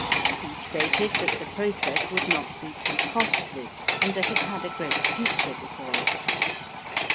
He stated that the process would not be too costly and that it had a great future before it.